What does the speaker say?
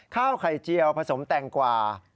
ข้าวไข่เจียวผสมแตงกว่า